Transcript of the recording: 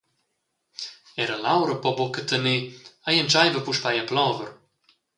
Era l’aura po buca tener, ei entscheiva puspei a plover.